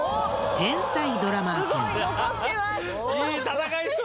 天才ドラマー犬。